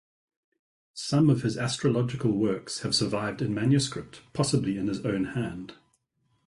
Some of his astrological works have survived in manuscript, possibly in his own hand.